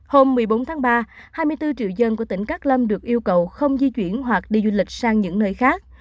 hôm một mươi bốn tháng ba hai mươi bốn triệu dân của tỉnh cát lâm được yêu cầu không di chuyển hoặc đi du lịch sang những nơi khác